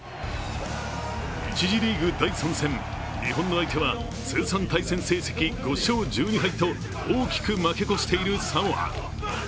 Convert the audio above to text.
１次リーグ第３戦、日本の相手は通算対戦成績５勝１２敗と大きく負け越しているサモア。